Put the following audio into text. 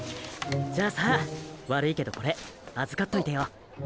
じゃあさ悪いけどこれ預かっといてよ。